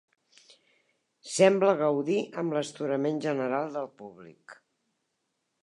Sembla gaudir amb l'astorament general del públic.